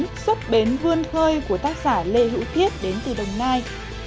chúng ta đến với tác phẩm sốt bến vương khơi của tác giả lê hữu thiết đến từ đồng nai